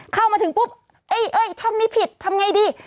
เข้ามาถึงปุ๊บเอ้ยช่องนี้ผิดทำไงดี